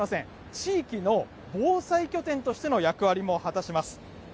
地域の防災拠点としての役割も果たします。